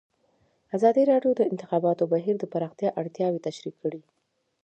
ازادي راډیو د د انتخاباتو بهیر د پراختیا اړتیاوې تشریح کړي.